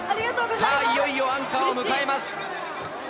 さあ、いよいよアンカーを迎えます。